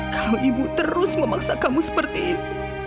kalau ibu terus memaksa kamu seperti ini